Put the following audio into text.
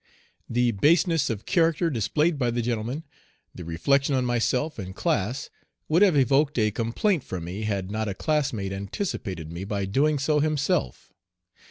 The baseness of character displayed by the gentleman, the reflection on myself and class would have evoked a complaint from me had not a classmate anticipated me by doing so himself.